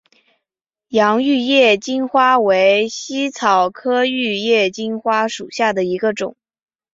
洋玉叶金花为茜草科玉叶金花属下的一个种。